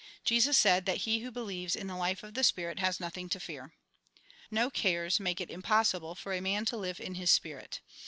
Jesus said that he who 184 A RECAPITULATION 185 believes in the life of the Spirit, has nothing to fear. No cares make it impossible for a man to live in his Spirit.